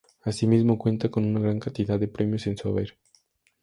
Asimismo, cuenta con gran cantidad de premios en su haber.